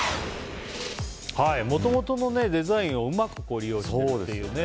もともとのデザインをうまく利用しているっていうね